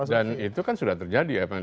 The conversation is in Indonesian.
dan itu kan sebuah hal yang sangat penting